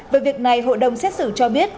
về việc này hội đồng xét xử cho biết